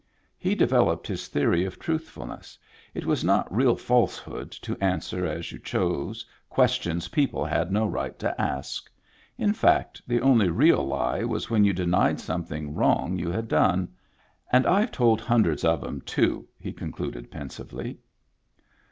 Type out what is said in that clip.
He developed his theory of truthfulness; it was not real falsehood to answer as you chose questions people had no right to ask ; in fact, the only real lie was when you denied something wrong you had done. "And I've told hundreds of them, too," he concluded pensively.